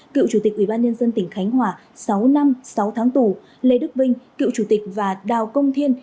cựu chủ tịch ubnd tỉnh khánh hòa sáu năm sáu tháng tù lê đức vinh cựu chủ tịch và đào công thiên